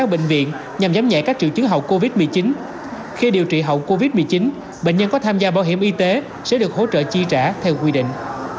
bệnh nhân có tham gia bảo hiểm y tế sẽ được hỗ trợ chi trả theo quy định